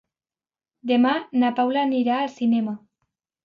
Demà na Paula anirà al cinema.